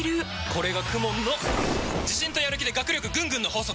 これがＫＵＭＯＮの自信とやる気で学力ぐんぐんの法則！